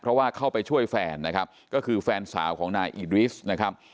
เพราะว่าเข้าไปช่วยแฟนนะครับก็คือแฟนสาวของนายอีดริสนะครับ